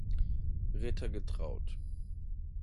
Ritter getraut.